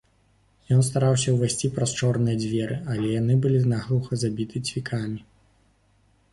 Ён стараўся ўвайсці праз чорныя дзверы, але яны былі наглуха забіты цвікамі.